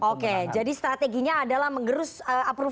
oke jadi strateginya adalah menggerus approval ratingnya pak joko widodo